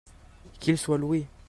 qu'il soit loué.